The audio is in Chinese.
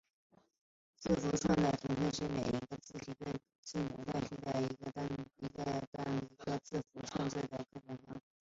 字符串同态是使得每个字母被替代为一个单一字符串的字符串代换。